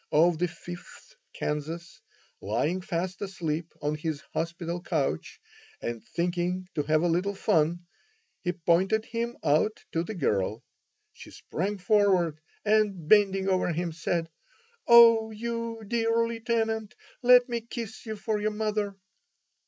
of the Fifth Kansas, lying fast asleep on his hospital couch, and thinking to have a little fun, he pointed him out to the girl. She sprang forward and, bending over him, said: "Oh, you dear Lieutenant, let me kiss you for your mother."